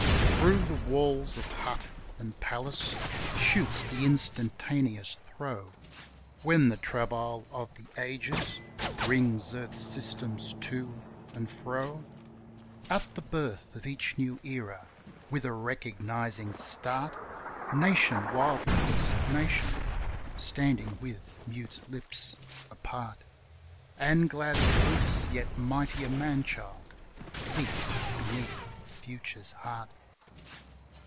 Through the walls of hut and palace shoots the instantaneous throe, When the travail of the Ages wrings earth's systems to and fro; At the birth of each new Era, with a recognizing start, Nation wildly looks at nation, standing with mute lips apart, And glad Truth's yet mightier man child leaps beneath the Future's heart.